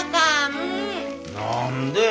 何で？